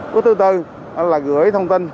bước thứ tư là gửi thông tin